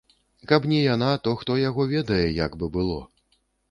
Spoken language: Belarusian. Каб не яна, то хто яго ведае, як бы было.